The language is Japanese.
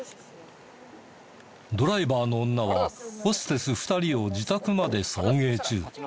ドライバーの女はホステス２人を自宅まで送迎中。